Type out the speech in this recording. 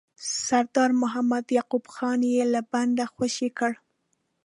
سردار محمد یعقوب خان یې له بنده خوشي کړ.